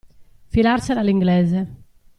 Filarsela all'inglese.